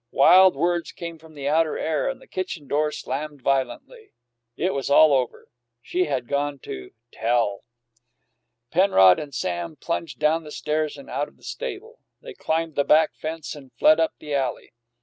Wild words came from the outer air, and the kitchen door slammed violently. It was all over. She had gone to "tell." Penrod and Sam plunged down the stairs and out of the stable. They climbed the back fence and fled up the alley.